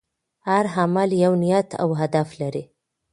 هر عمل یو نیت او هدف لري.